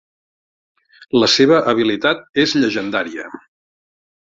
La seva habilitat és llegendària.